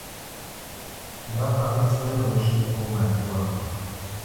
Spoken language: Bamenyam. Ndǎ pâ Mə́sɛ̌t nǒ zhʉ̌ʼ kó matwâ.